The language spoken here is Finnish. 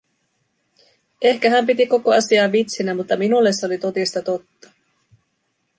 Ehkä hän piti koko asiaa vitsinä, mutta minulle se oli totista totta.